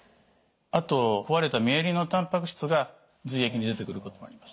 あと壊れたミエリンのたんぱく質が髄液に出てくることもあります。